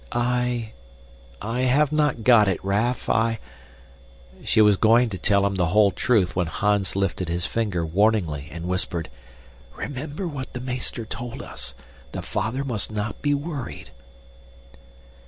"I I have not got it, Raff, I " She was going to tell him the whole truth when Hans lifted his finger warningly and whispered, "Remember what the meester told us. The father must not be worried."